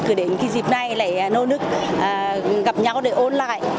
cứ đến cái dịp này lại nô nức gặp nhau để ôn lại